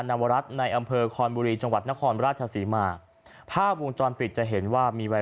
นวรัฐในอำเภอคอนบุรีจังหวัดนครราชศรีมาภาพวงจรปิดจะเห็นว่ามีวัย